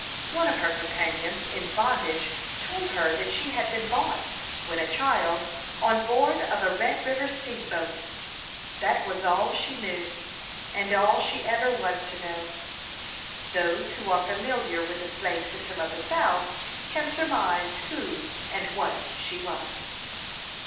One of her companions in bondage told her that she had been bought, when a child, on board of a Red River steamboat. That was all she knew, and all she ever was to know. Those who are familiar with the slave system of the South can surmise who and what she was.